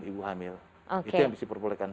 ibu hamil itu yang diperbolehkan